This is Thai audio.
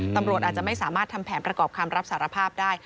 ตำรวจอาจจะไม่สามารถทำแผนประกอบคำรับสารภาพได้